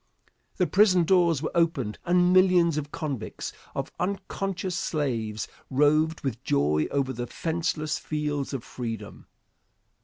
The prison doors were opened and millions of convicts, of unconscious slaves, roved with joy over the fenceless fields of freedom.